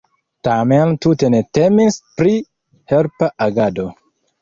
Tamen tute ne temis pri helpa agado.